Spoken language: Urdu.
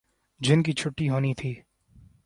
جن کی چھٹی ہونی تھی۔